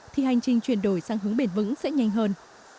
thì hành trình chuyển đổi sang hướng bền vững sẽ nhanh hơn